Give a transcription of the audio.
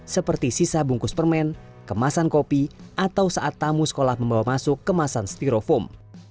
seperti sisa bungkus permen kemasan kopi atau saat tamu sekolah membawa masuk kemasan styrofoam